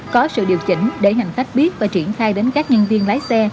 có sự điều chỉnh để hành khách biết và triển khai đến các nhân viên lái xe